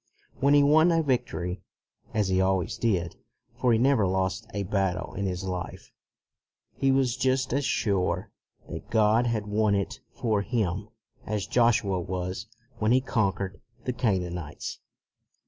When he won a victory, as he always did, for he never lost a battle in his life, he was just as sure that God had won it for him as Joshua was when he conquered the Canaanites.